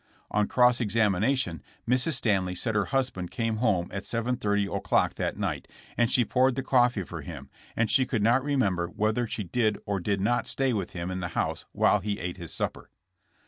On cross examination Mrs. Stanley said her husband came home at 7:30 o'clock that night, and she poured the coffee for him, and she could not remember whether she did or did not stay with him in the house while he ate his supper.